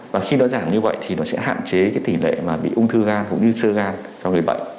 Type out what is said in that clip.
và khi nó giảm như vậy thì nó sẽ hạn chế cái tỷ lệ mà bị ung thư gan cũng như sơ gan cho người bệnh